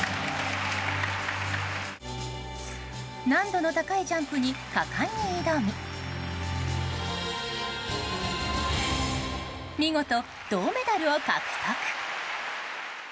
難度の高いジャンプに果敢に挑み見事、銅メダルを獲得。